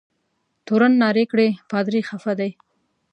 تورن نارې کړې پادري خفه دی.